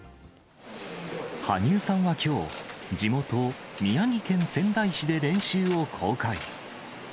羽生さんはきょう、地元、宮城県仙台市で練習を公開。